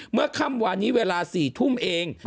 เมื่อค่ำวานนี้เวลา๔ทุ่มเอง